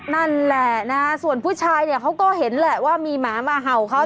นั่นแหละนะส่วนผู้ชายเนี่ยเขาก็เห็นแหละว่ามีหมามาเห่าเขา